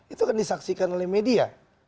itu kan disaksikan oleh media